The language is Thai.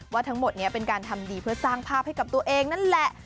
ทั้งหมดนี้เป็นการทำดีเพื่อสร้างภาพให้กับตัวเองนั่นแหละ